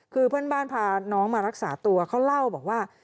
คือเพื่อนบ้านพาน้องมารักษาตัวเขาเล่าบอกว่า